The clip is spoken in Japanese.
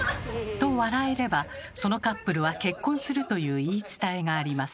と笑えればそのカップルは結婚するという言い伝えがあります。